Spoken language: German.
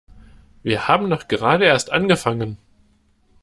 Wir haben doch gerade erst angefangen!